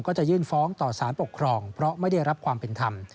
ก็จะยื่นฟ้องต่อสารปกครองเพราะไม่ได้รับความเป็นธรรม